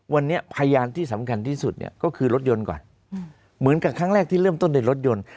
วันนี้พยานที่สำคัญที่สุดเนี่ยก็คือรถยนต์ก่อนเหมือนกับครั้งแรกที่เริ่มต้นในรถยนต์